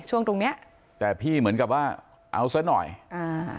ช่วงตรงเนี้ยแต่พี่เหมือนกับว่าเอาซะหน่อยอ่า